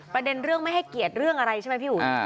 ประเด็นเรื่องไม่ให้เกียรติเรื่องอะไรใช่ไหมพี่อุ๋ย